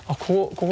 ここ